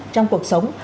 trong cuộc sống